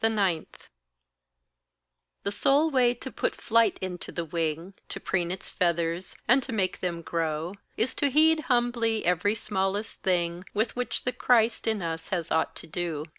9. The sole way to put flight into the wing, To preen its feathers, and to make them grow, Is to heed humbly every smallest thing With which the Christ in us has aught to do.